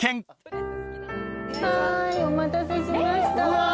はいお待たせしました。